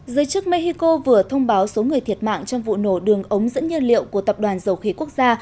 giới chức mexico vừa thông báo số người thiệt mạng trong vụ nổ đường ống dẫn nhiên liệu của tập đoàn dầu khí quốc gia